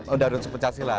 ada unsur pencak silat